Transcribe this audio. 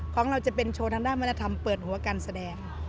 ของเราจะเป็นโชว์ทางด้านวัฒนธรรมเปิดหัวการแสดง